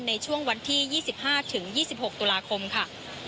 ในช่วงวันที่๒๕๒๖ตุลาคมค่ะ